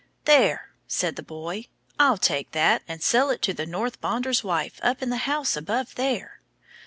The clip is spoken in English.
"There," said the boy, "I'll take that, and sell it to the Norse bonder's wife up in the house above there."